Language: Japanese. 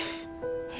え。